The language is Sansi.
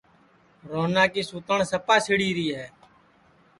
روہنا کی سوتن سپا سِڑی ری ہے